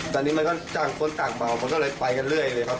ตอนนี้มันก็ต่างคนต่างเบามันก็เลยไปกันเรื่อยเลยครับ